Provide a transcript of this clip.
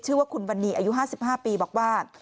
ชื่อว่าคุณวันนี้อายุ๕๕ปีบอกว่า